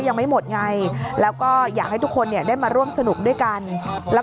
ยังไม่หมดไงแล้วก็อยากให้ทุกคนเนี่ยได้มาร่วมสนุกด้วยกันแล้ว